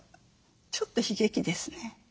ちょっと悲劇ですね。